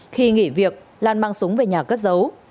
khi nghỉ việc lan mang súng về nhà cất giấu